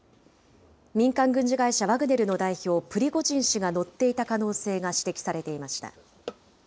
民間軍事会社ワグネルの代表、プリゴジン氏が乗っていた可能性が指摘されていました。